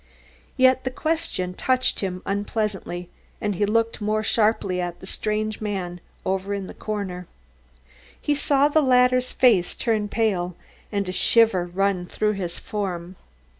Yet the question touched him unpleasantly and he looked more sharply at the strange man over in the corner. He saw the latter's face turn pale and a shiver run through his form.